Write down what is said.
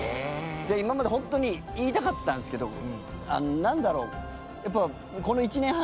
今まで本当に言いたかったんですけどなんだろうやっぱ。